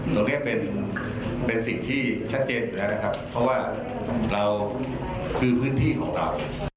ตรงนี้เป็นสิ่งที่ชัดเจนอยู่แล้วนะครับเพราะว่าเราคือพื้นที่ของเรา